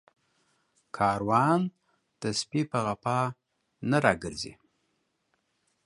کاروان د سپي په غپا نه راگرځي